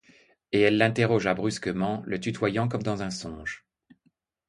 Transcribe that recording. Et elle l'interrogea brusquement, le tutoyant comme dans un songe.